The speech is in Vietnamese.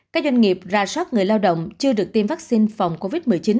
các doanh nghiệp ra soát người lao động chưa được tiêm vaccine phòng covid một mươi chín